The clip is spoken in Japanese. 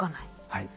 はい。